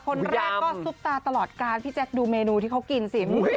คนแรกก็ซุปตาตลอดการพี่แจ๊คดูเมนูที่เขากินสิ